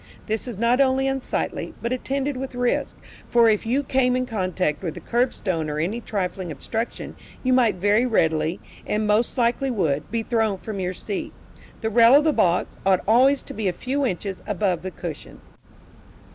This is not only unsightly, but attended with risk, for if you came in contact with the curbstone, or any trifling obstruction, you might very readily, and most likely would, be thrown from your seat. The rail of the box, ought always to be a few inches above the cushion.